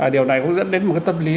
điều này cũng dẫn đến một tâm lý